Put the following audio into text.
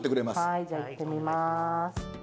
はいじゃあいってみます。